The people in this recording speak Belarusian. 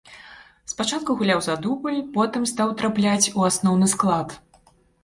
Спачатку гуляў за дубль, потым стаў трапляць у асноўны склад.